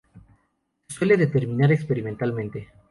Se suele determinar experimentalmente.